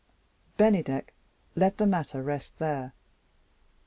Bennydeck let the matter rest there.